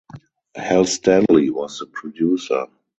Hal Stanley was the producer.